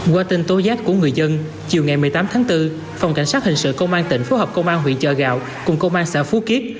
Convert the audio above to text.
qua tin tố giác của người dân chiều ngày một mươi tám tháng bốn phòng cảnh sát hình sự công an tỉnh phối hợp công an huyện chợ gạo cùng công an xã phú kiếp